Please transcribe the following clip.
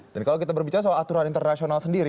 dan kalau kita berbicara soal aturan internasional sendiri